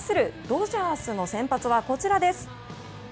ドジャースの先発はこちらです。